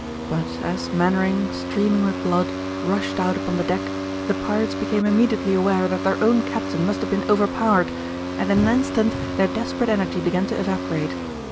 But as Mainwaring, streaming with blood, rushed out upon the deck, the pirates became immediately aware that their own captain must have been overpowered, and in an instant their desperate energy began to evaporate.